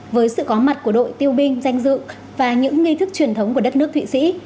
với sự có mặt của đội tiêu binh danh dự và những nghi thức truyền thống của đất nước thụy sĩ